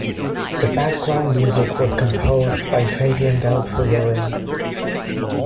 The background music was composed by Fabian Del Priore.